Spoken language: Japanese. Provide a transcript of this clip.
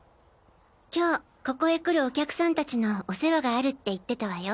今日ここへ来るお客さん達のお世話があるって言ってたわよ。